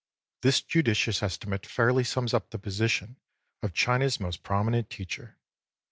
This judicious estimate fairly sums up the position of China's most prominent teacher.